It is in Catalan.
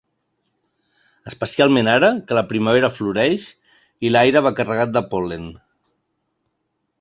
Especialment ara, que la primavera floreix i l’aire va carregat de pol·len.